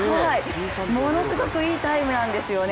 ものすごくいいタイムなんですよね。